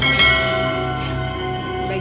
sudah belasan tahun